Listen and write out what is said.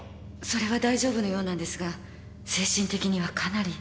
それは大丈夫のようなんですが精神的にはかなり。